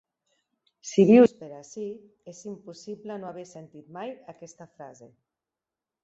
Si vius per ací, és impossible no haver sentit mai aquesta frase.